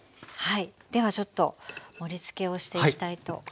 では盛りつけをしていきたいと思います。